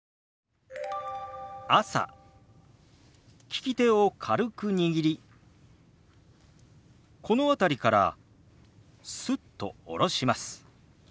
利き手を軽く握りこの辺りからスッと下ろします。